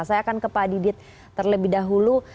saya akan ke pak didit terlebih dahulu